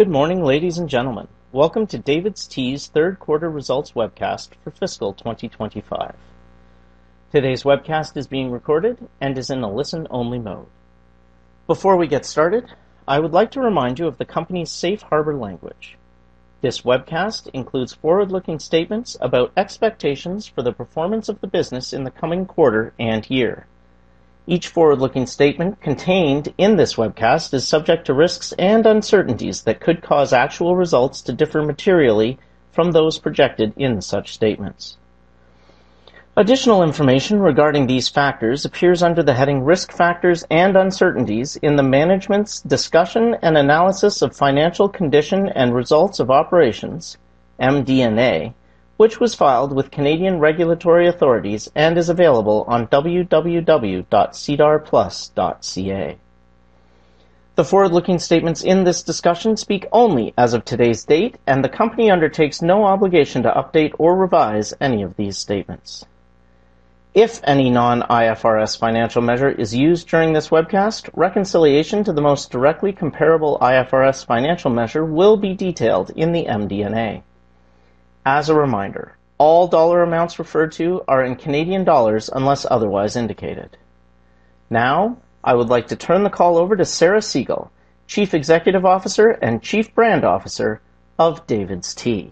Good morning ladies and gentlemen. Welcome to DAVIDsTEA's third quarter results webcast for fiscal 2025. Today's webcast is being recorded and is in a listen only mode. Before we get started, I would like to remind you of the Company's safe harbor language. This webcast includes forward-looking statements about expectations for the performance of the business in the coming quarter and year. Each forward-looking statement contained in this webcast is subject to risks and uncertainties that could cause actual results to differ materially from those projected in such statements. Additional information regarding these factors appears under the heading Risk Factors and Uncertainties in the Management's Discussion and Analysis of Financial Condition and Results of Operations, which was filed with Canadian regulatory authorities and is available on www.sedarplus.ca. The forward-looking statements in this discussion speak only as of today's date and the Company undertakes no obligation to update or revise any of these statements. If any non-IFRS financial measure is used during this webcast, reconciliation to the most directly comparable IFRS financial measure will be detailed in the MD&A. As a reminder, all dollar amounts referred to are in Canadian dollars unless otherwise indicated. Now I would like to turn the call over to Sarah Segal, Chief Executive Officer and Chief Brand Officer of DAVIDsTEA.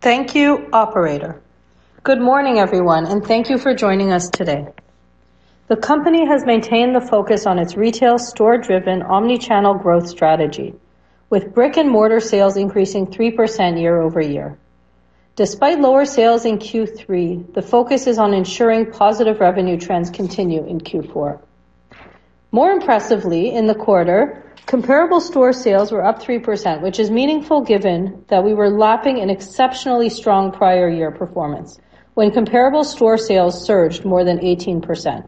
Thank you, operator. Good morning, everyone, and thank you for joining us today. The company has maintained the focus on its retail store-driven omnichannel growth strategy with brick-and-mortar sales increasing 3% year-over-year. Despite lower sales in Q3, the focus is on ensuring positive revenue trends continue in Q4. More impressively in the quarter, comparable store sales were up 3%, which is meaningful given that we were lapping an exceptionally strong prior year performance when comparable store sales surged more than 18%.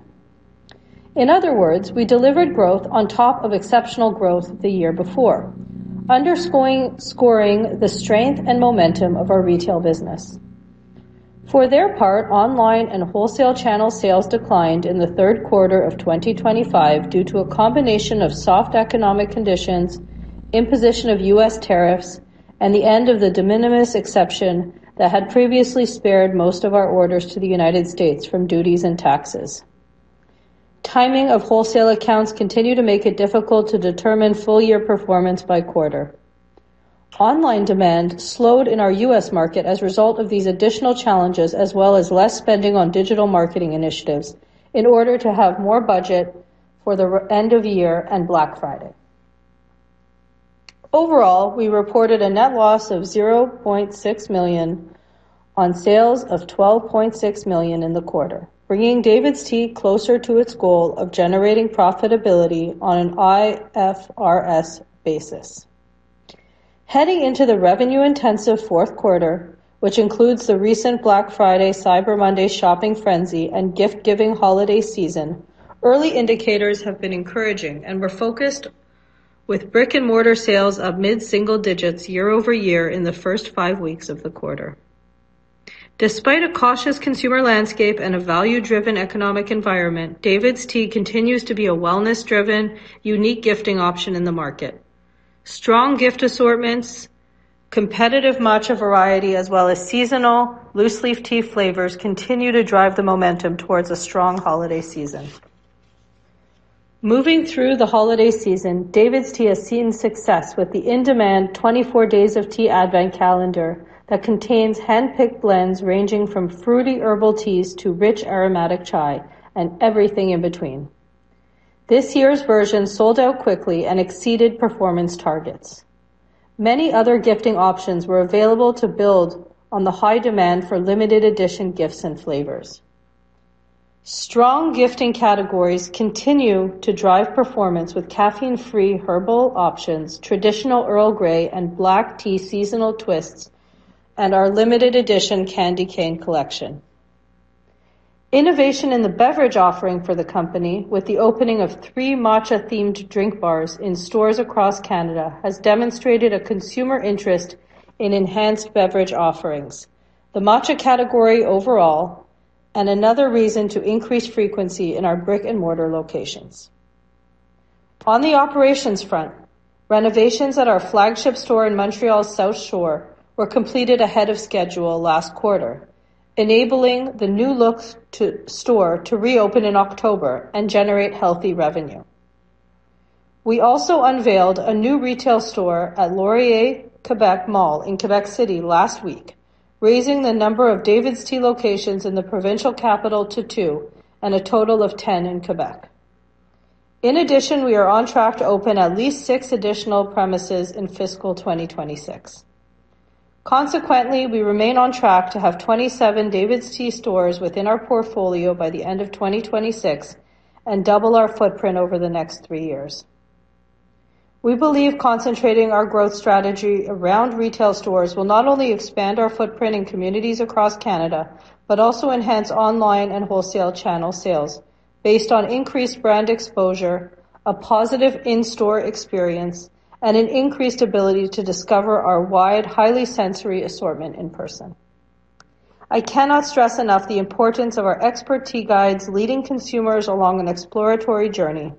In other words, we delivered growth on top of exceptional growth the year before, underscoring the strength and momentum of our retail business. For their part, online and wholesale channel sales declined in the third quarter of 2025 due to a combination of soft economic conditions, imposition of U.S. tariffs and the end of the de minimis exception that had previously spared most of our orders to the United States from duties and taxes. Timing of wholesale accounts continue to make it difficult to determine full year performance by quarter. Online demand slowed in our U.S. market as a result of these additional challenges, as well as less spending on digital marketing initiatives in order to have more budget for the end of year and Black Friday. Overall, we reported a net loss of 0.6 million on sales of 12.6 million in the quarter, bringing DAVIDsTEA closer to its goal of generating profitability on an IFRS basis. Heading into the revenue-intensive fourth quarter, which includes the recent Black Friday, Cyber Monday shopping frenzy, and gift-giving holiday season, early indicators have been encouraging, and we're focused, with brick-and-mortar sales up mid-single digits year-over-year in the first five weeks of the quarter. Despite a cautious consumer landscape and a value-driven economic environment, DAVIDsTEA continues to be a wellness-driven, unique gifting option in the market. Strong gift assortments, competitive matcha variety, as well as seasonal loose leaf tea flavors continue to drive the momentum towards a strong holiday season. Moving through the holiday season, DAVIDsTEA has seen success with the in-demand 24 Days of Tea Advent calendar that contains hand-picked blends ranging from fruity herbal teas to rich aromatic chai and everything in between. This year's version sold out quickly and exceeded performance targets. Many other gifting options were available to build on the high demand for limited edition gifts and flavors. Strong gifting categories continue to drive performance with caffeine-free herbal options, traditional Earl Grey and black tea, seasonal twists and our limited edition candy cane collection. Innovation in the beverage offering for the company with the opening of three Matcha-themed drink bars in stores across Canada has demonstrated a consumer interest in enhanced beverage offerings, the Matcha category overall, and another reason to increase frequency in our brick-and-mortar locations. On the operations front, renovations at our flagship store in Montréal's South Shore were completed ahead of schedule last quarter, enabling the new look store to reopen in October and generate healthy revenue. We also unveiled a new retail store at Laurier Québec Mall in Québec City last week, raising the number of DAVIDsTEA locations in the provincial capital to two and a total of 10 in Quebec. In addition, we are on track to open at least six additional premises in fiscal 2026. Consequently, we remain on track to have 27 DAVIDsTEA stores within our portfolio by the end of 2026 and double our footprint over the next three years. We believe concentrating our growth strategy around retail stores will not only expand our footprint in communities across Canada, but also enhance online and wholesale channel sales based on increased brand exposure, a positive in store experience and an increased ability to discover our wide, highly sensory assortment in person. I cannot stress enough the importance of our expert tea guides leading consumers along an exploratory journey,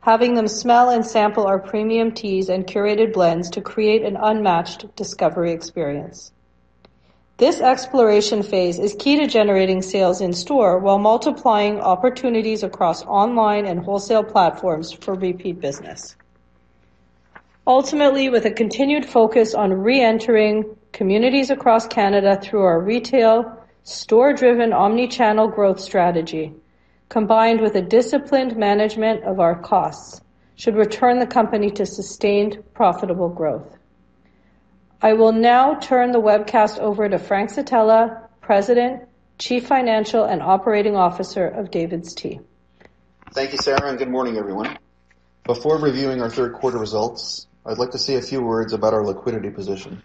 having them smell and sample our premium teas and curated blends to create an unmatched discovery experience. This exploration phase is key to generating sales in store while multiplying opportunities across online and wholesale platforms for repeat business. Ultimately, with a continued focus on re-entering communities across Canada through our retail store driven omnichannel growth strategy combined with a disciplined management of our costs should return the company to sustained profitable growth. I will now turn the webcast over to Frank Zitella, President, Chief Financial Officer and Chief Operating Officer of DAVIDsTEA. Thank you, Sarah, and good morning everyone. Before reviewing our third quarter results, I'd like to say a few words about our liquidity position.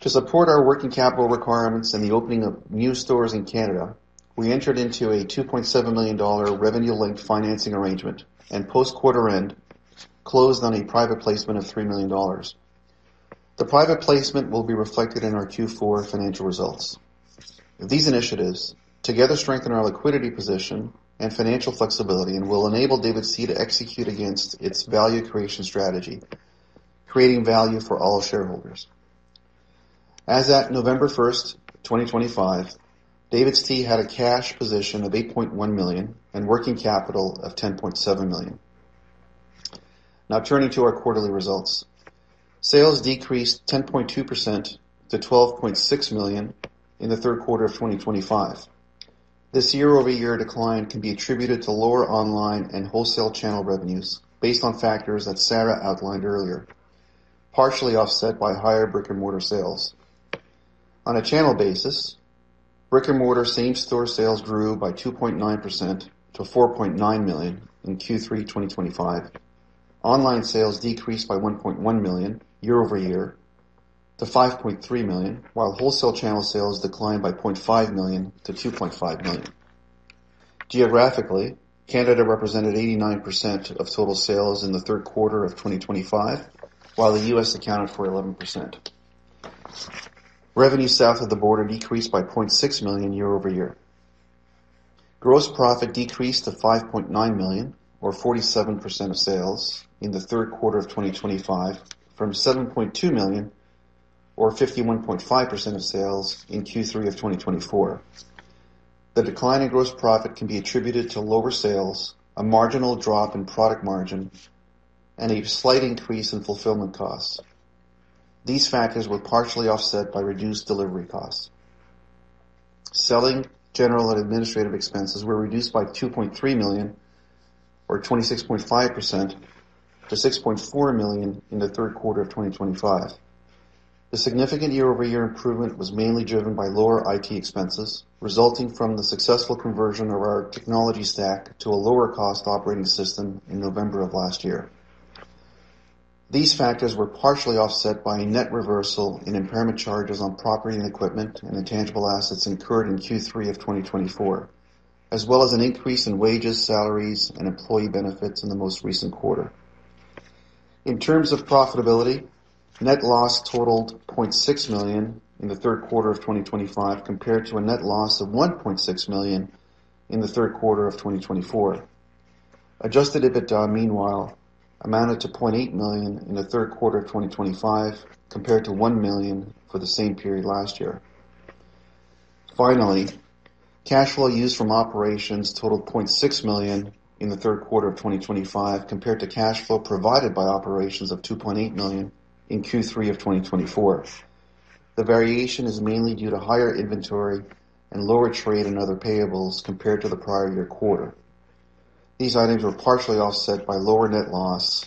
To support our working capital requirements and the opening of new stores in Canada, we entered into a 2.7 million dollar revenue-linked financing arrangement and post quarter end closed on a private placement of 3 million dollars. The private placement will be reflected in our Q4 financial results. These initiatives together strengthen our liquidity position and financial flexibility and will enable DAVIDsTEA to execute against its value creation strategy creating value for all shareholders. As at November 1, 2025, DAVIDsTEA had a cash position of 8.1 million and working capital of 10.7 million. Now turning to our quarterly results, sales decreased 10.2% to 12.6 million in the third quarter of 2025. This year-over-year decline can be attributed to lower online and wholesale channel revenues based on factors that Sarah outlined earlier, partially offset by higher brick-and-mortar sales. On a channel basis, brick-and-mortar same-store sales grew by 2.9% to 4.9 million in Q3 2025. Online sales decreased by 1.1 million year-over-year to 5.3 million, while wholesale channel sales declined by 0.5 million to 2.5 million. Geographically, Canada represented 89% of total sales in the third quarter of 2025 while the U.S. accounted for 11%. Revenue south of the border decreased by 0.6 million year-over-year. Gross profit decreased to 5.9 million or 47% of sales in the third quarter of 2025 from 7.2 million or 51.5% of sales in Q3 of 2024. The decline in gross profit can be attributed to lower sales, a marginal drop in product margin and a slight increase in fulfillment costs. These factors were partially offset by reduced delivery costs. Selling, general, and administrative expenses were reduced by 2.3 million or 26.5% to 6.4 million in the third quarter of 2025. The significant year-over-year improvement was mainly driven by lower IT expenses resulting from the successful conversion of our technology stack to a lower cost operating system in November of last year. These factors were partially offset by a net reversal in impairment charges on property and equipment and intangible assets incurred in Q3 of 2024, as well as an increase in wages, salaries and employee benefits in the most recent quarter. In terms of profitability, net loss totaled 0.6 million in the third quarter of 2025 compared to a net loss of 1.6 million in the third quarter of 2024. Adjusted EBITDA, meanwhile, amounted to 0.8 million in the third quarter of 2025 compared to 1 million for the same period last year. Finally, cash flow used from operations totaled 0.6 million in the third quarter of 2025 compared to cash flow provided by operations of 2.8 million in Q3 of 2024. The variation is mainly due to higher inventory and lower trade and other payables compared to the prior year quarter. These items were partially offset by lower net loss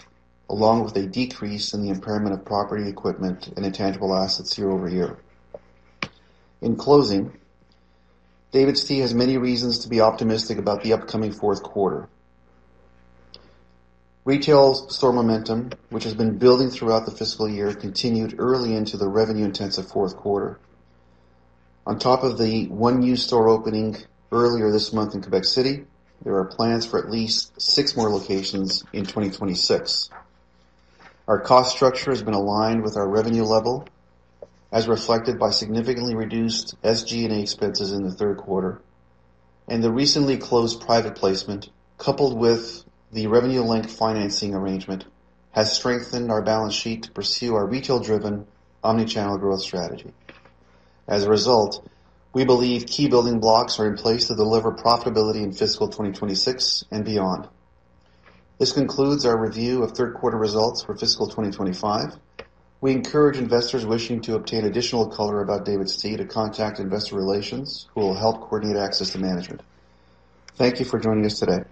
along with a decrease in the impairment of property, equipment and intangible assets year-over-year. In closing, DAVIDsTEA has many reasons to be optimistic about the upcoming fourth quarter. Retail store momentum, which has been building throughout the fiscal year, continued early into the revenue-intensive fourth quarter. On top of the one new store opening earlier this month in Québec City, there are plans for at least six more locations in 2026. Our cost structure has been aligned with our revenue level as reflected by significantly reduced SG&A expenses in the third quarter, and the recently closed private placement, coupled with the revenue-linked financing arrangement, has strengthened our balance sheet to pursue our retail-driven omnichannel growth strategy. As a result, we believe key building blocks are in place to deliver profitability in fiscal 2026 and beyond. This concludes our review of third quarter results for fiscal 2025. We encourage investors wishing to obtain additional color about DAVIDsTEA to contact Investor Relations, who will help coordinate access to management. Thank you for joining us today.